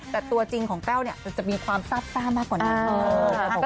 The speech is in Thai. แต่ตัวจริงของแป้วจะมีความทราบมากกว่านั้นค่ะ